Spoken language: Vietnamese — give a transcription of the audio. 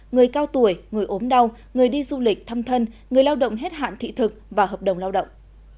người cao tuổi người ốm đau người đi du lịch thăm thân người lao động hết hạn thị thực và hợp đồng lao động